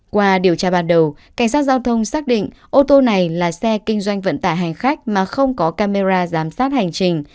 qua điều tra ban đầu cảnh sát giao thông xác định ô tô này là xe kinh doanh vận tải hành khách mà không có camera giám sát hành trình